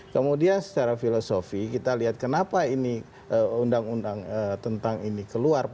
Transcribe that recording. kemudian secara filosofi kita lihat kenapa ini undang undang tentang ini keluar